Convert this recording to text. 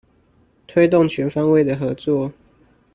推動全方位的合作